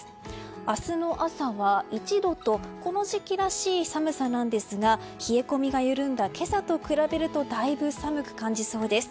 明日の朝は１度とこの時期らしい寒さなんですが冷え込みが緩んだ今朝と比べるとだいぶ寒く感じそうです。